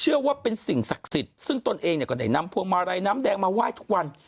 เชื่อว่าเป็นสิ่งศักดิ์สิทธิ์ซึ่งตนเองก็ได้นำพวงมาลัยน้ำแดงมาไหว้ทุกวัน